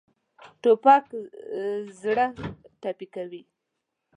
توپک زړه ټپي کوي.